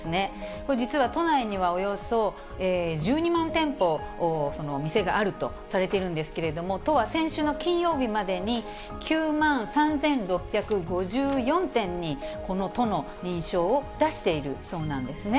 これ、実は都内にはおよそ１２万店舗、その店があるとされているけれども、都は先週の金曜日までに９万３６５４店にこの都の認証を出しているそうなんですね。